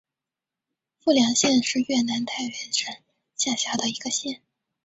富良县是越南太原省下辖的一个县。